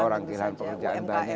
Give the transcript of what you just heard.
orang kehilangan pekerjaan banyak